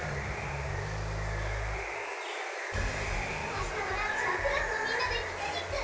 明日のランチはクラスのみんなでピクニック！